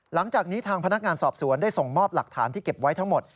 หลังจากนี้ทางพนักงานสอบสวนได้ส่งมอบหลักฐานที่เก็บไว้ทั้งหมด